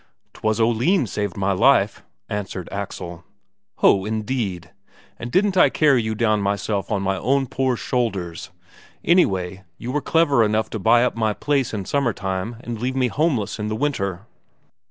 "'Twas Oline saved my life," answered Axel. "Ho, indeed! And didn't I carry you down myself on my own poor shoulders? Anyway, you were clever enough to buy up my place in summer time and leave me homeless in the winter."